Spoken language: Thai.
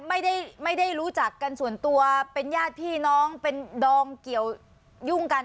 ไม่ได้รู้จักกันส่วนตัวเป็นญาติพี่น้องเป็นดองเกี่ยวยุ่งกัน